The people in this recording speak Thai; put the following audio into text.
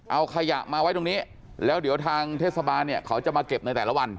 เอาขยะมาไว้ตรงนี้แล้วเดี๋ยวทางเทศบาลเนี่ยเขาจะมาเก็บในแต่ละวัน